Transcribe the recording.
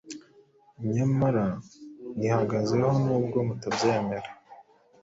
nyamara nihagazeho nubwo mutabyemera